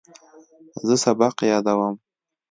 زه سبق یادوم.